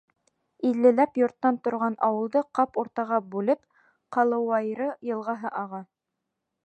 Иллеләп йорттан торған ауылды ҡап уртаға бүлеп Ҡалыуайры йылғаһы аға.